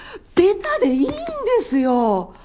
ベタでいいんですよ！